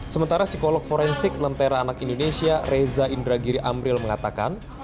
sementara psikolog forensik lentera anak indonesia reza indragiri amril mengatakan